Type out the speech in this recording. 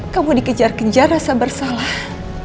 kamu dikejar kejar rasa bersalah